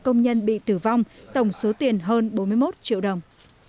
công nhân bị tử vong tổng số tiền hơn bốn mươi một triệu đồng